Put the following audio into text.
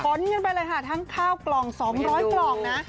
กันไปเลยค่ะทั้งข้าวกล่อง๒๐๐กล่องนะ